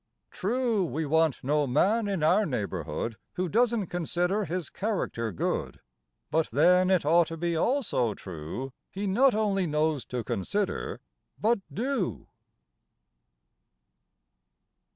True, we want no man in our neighborhood Who doesn't consider his character good, But then it ought to be also true He not only knows to consider, but do.